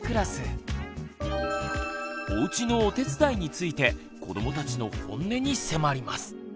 「おうちのお手伝い」について子どもたちのホンネに迫ります。